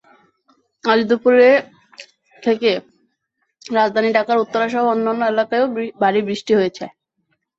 আজ দুপুরে থেকে রাজধানী ঢাকার উত্তরাসহ অন্যান্য এলাকায়ও ভারী বৃষ্টি হয়েছে।